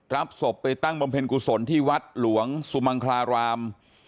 รับศพไปตั้งบำเพ็ญกุศลที่วัดหลวงสุมังคลาราม